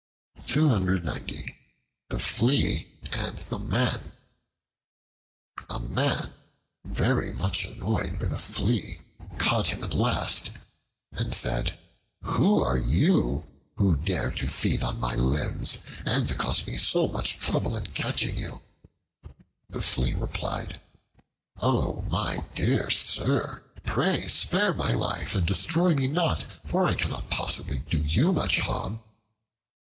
The Flea and the Man A MAN, very much annoyed with a Flea, caught him at last, and said, "Who are you who dare to feed on my limbs, and to cost me so much trouble in catching you?" The Flea replied, "O my dear sir, pray spare my life, and destroy me not, for I cannot possibly do you much harm."